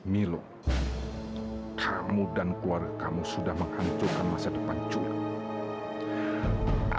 milo kamu dan keluarga kamu sudah menghancurkan masa depan juga